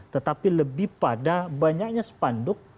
tetapi lebih pada banyaknya spanduk